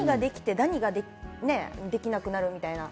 何ができて、何ができなくなるみたいな。